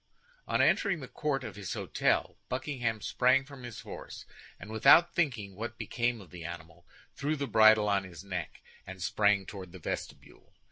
On entering the court of his hôtel, Buckingham sprang from his horse, and without thinking what became of the animal, threw the bridle on his neck, and sprang toward the vestibule.